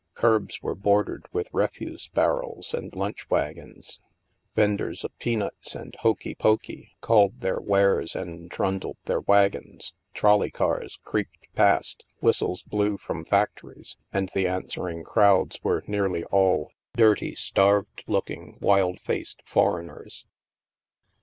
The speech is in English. Curbs were bordered with refuse barrels and lunch ivagons. Vendors of peanuts and hokeypokey called their wares and trundled their wagons ; trolley cars creaked past; whistles blew from factories, and the answering crowds were nearly all dirty, starved looking, wild faced foreigners.